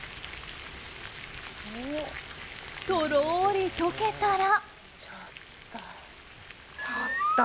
とろーり溶けたら。